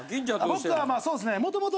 僕はそうですね。